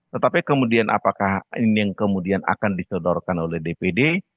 tetapi kemudian apakah ini yang kemudian akan disodorkan oleh dpd